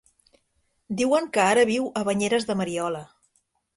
Diuen que ara viu a Banyeres de Mariola.